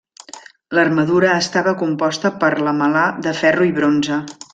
L'armadura estava composta per lamel·lar de ferro i bronze.